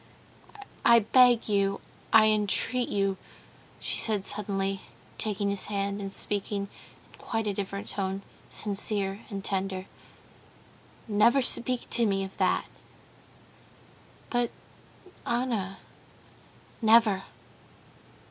"I beg you, I entreat you," she said suddenly, taking his hand, and speaking in quite a different tone, sincere and tender, "never speak to me of that!" "But, Anna...." "Never.